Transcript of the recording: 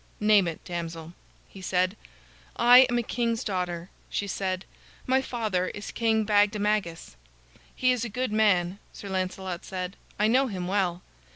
"Name it, damsel," he said. "I am a king's daughter," she said. "My father is King Bagdemagus." "He is a good man," Sir Lancelot said. "I know him well."